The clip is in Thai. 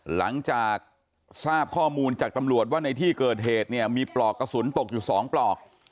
หลังจากทราบข้อมูลจากตำรวจว่าในที่เกิดเหตุเนี่ยมีปลอกกระสุนตกอยู่๒ปลอก